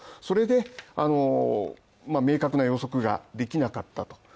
それで、明確な予測ができなかったと。